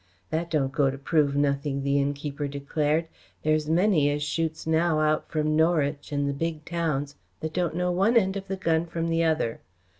"That don't go to prove nothing," the innkeeper declared. "There's many as shoots now out from Norwich and the big towns that don't know one end of the gun from the other.